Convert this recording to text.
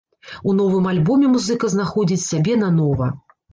У новым альбоме музыка знаходзіць сябе нанова.